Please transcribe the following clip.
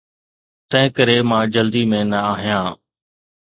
تنهنڪري مان جلدي ۾ نه آهيان.